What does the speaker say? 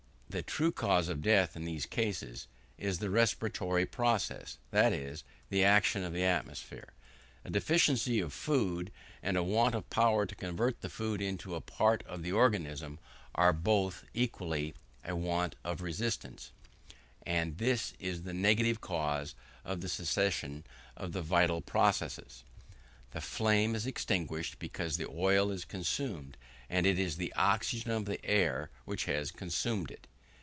The true cause of death in these cases is the respiratory process, that is, the action of the atmosphere. A deficiency of food, and a want of power to convert the food into a part of the organism, are both, equally, a want of resistance; and this is the negative cause of the cessation of the vital process. The flame is extinguished, because the oil is consumed; and it is the oxygen of the air which has consumed it.